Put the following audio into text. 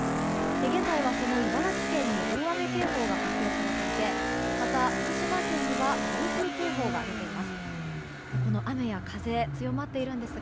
現在はその茨城県に大雨警報が発表されていてまた、福島県には暴風警報が出ています。